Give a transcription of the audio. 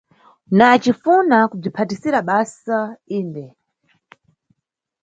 Na acifuna kubzwiphatisira basa, yinde.